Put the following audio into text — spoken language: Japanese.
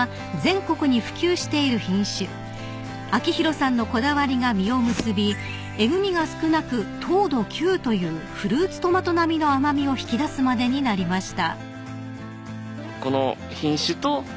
［哲宏さんのこだわりが実を結びえぐみが少なく糖度９というフルーツトマト並みの甘味を引き出すまでになりました］